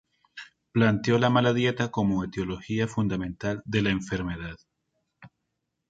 Planteó la mala dieta como etiología fundamental de la enfermedad.